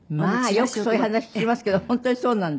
よくそういう話聞きますけど本当にそうなんだ？